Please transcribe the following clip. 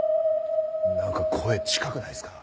何か声近くないっすか？